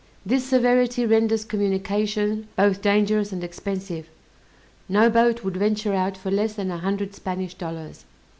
This severity renders communication both dangerous and expensive; no boat would venture out for less than a hundred Spanish dollars.